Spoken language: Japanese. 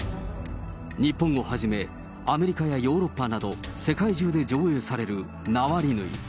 日本をはじめ、アメリカやヨーロッパなど世界中で上映されるナワリヌイ。